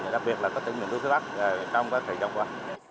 đặc biệt là các tỉnh miền núi phía bắc trong thời gian qua